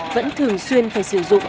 vẫn thường xuyên phải sử dụng